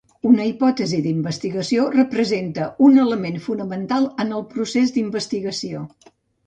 Una hipòtesi d'investigació representa un element fonamental en el procés d'investigació.